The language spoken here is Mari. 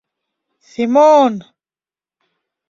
— Семон!